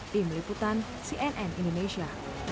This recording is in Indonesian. tim liputan cnn indonesia